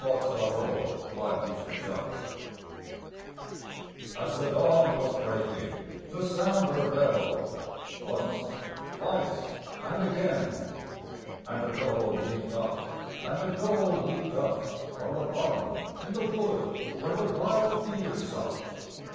Hunting Song of the Seeonee Pack As the dawn was breaking the Sambhur belled Once, twice and again! And a doe leaped up, and a doe leaped up From the pond in the wood where the wild deer sup.